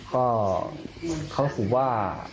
ก็เขาถือว่า